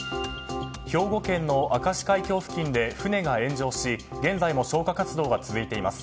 兵庫県の明石海峡付近で船が炎上し現在も消火活動が続いています。